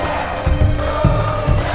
sambil pem gaza